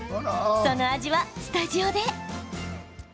その味はスタジオで。